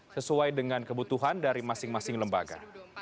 sesuai dengan kebutuhan dari masing masing lembaga